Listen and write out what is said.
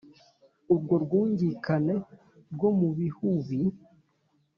urwo rwungikane rwo mu bihubi